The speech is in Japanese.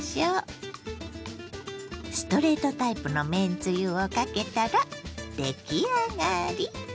ストレートタイプのめんつゆをかけたら出来上がり。